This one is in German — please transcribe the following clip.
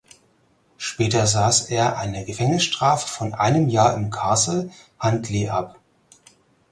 Später saß er eine Gefängnisstrafe von einem Jahr im Castle Huntly ab.